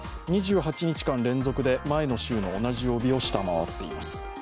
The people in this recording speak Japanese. ２８日間連続で前の週の同じ曜日を下回っています。